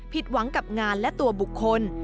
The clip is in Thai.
ผิดหวังกับงานและตัวบุคคล